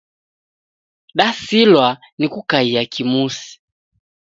Dasilwa ni kukaia kimusi